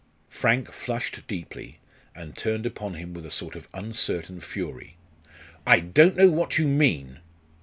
Frank flushed deeply, and turned upon him with a sort of uncertain fury. "I don't know what you mean."